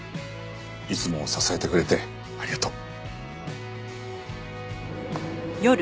いつも支えてくれてありがとう。